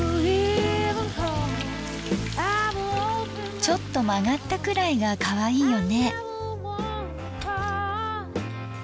ちょっと曲がったくらいがかわいいよね。